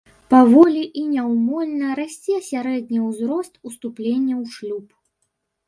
Паволі і няўмольна расце сярэдні ўзрост уступлення ў шлюб.